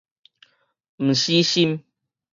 毋死心